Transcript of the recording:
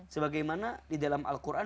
sebagaimana di dalam al quran